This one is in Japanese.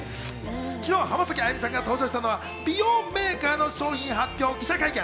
昨日、浜崎あゆみさんが登場したのは美容メーカーの商品発表記者会見。